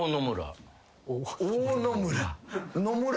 大野村。